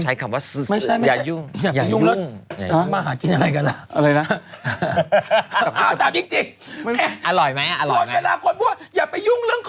ใช้คำว่าซื้อ